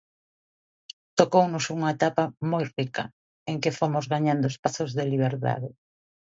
Tocounos unha etapa moi rica, en que fomos gañando espazos de liberdade.